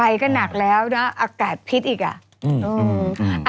ก็หนักแล้วนะอากาศพิษอีกอ่ะ